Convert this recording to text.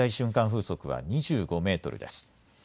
風速は２５メートルです。